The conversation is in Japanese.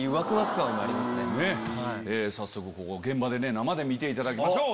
早速ここ現場で生で見ていただきましょう。